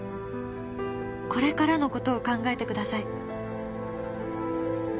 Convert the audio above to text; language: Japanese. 「これからのことを考えてください」